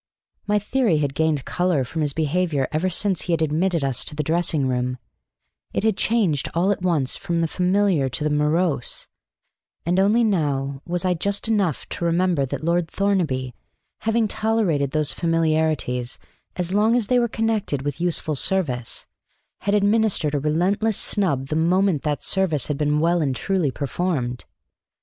My theory had gained color from his behavior ever since he had admitted us to the dressing room; it had changed all at once from the familiar to the morose; and only now was I just enough to remember that Lord Thornaby, having tolerated those familiarities as long as they were connected with useful service, had administered a relentless snub the moment that service had been well and truly performed.